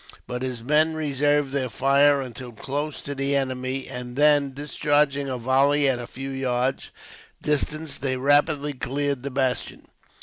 But his men reserved their fire, until close to the enemy; and then, discharging a volley at a few yards' distance, they rapidly cleared the bastion.